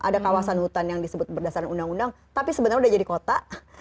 ada kawasan hutan yang disebut berdasarkan undang undang tapi sebenarnya sudah jadi kota